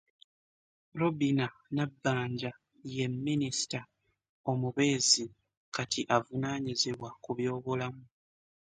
Robinah Nabbanja ye minisita omubeezi kati avunaanyizibwa ku by'obulamu